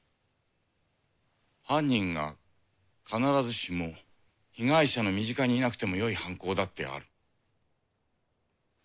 犯人が必ずしも被害者の身近にいなくてもよい犯行だってある。